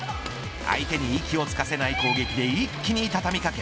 相手に息をつかせない攻撃で一気に畳み掛け